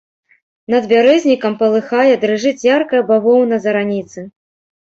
Над бярэзнікам палыхае, дрыжыць яркая бавоўна зараніцы.